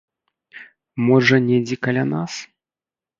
Можа, недзе каля нас?